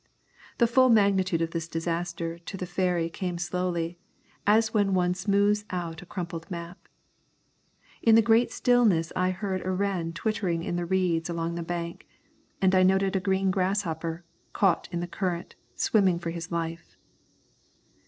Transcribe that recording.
The full magnitude of this disaster to the ferry came slowly, as when one smooths out a crumpled map. In the great stillness I heard a wren twittering in the reeds along the bank, and I noted a green grasshopper, caught in the current, swimming for his life.